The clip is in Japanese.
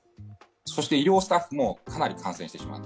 そして医療スタッフもかなり感染してしまう。